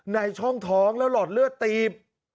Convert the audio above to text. ในช่องท้องแล้วหลอดเลือดตีบ